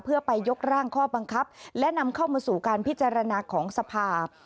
เพื่อไปยกร่างข้อบังคับและนำเข้ามาสู่การพิจารณาของสภาพ